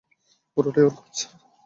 পুরোটাই ওর কাজ।